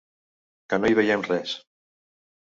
Que no hi veiem res.